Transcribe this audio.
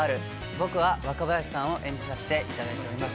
僕は若林さんを演じさせていただいております。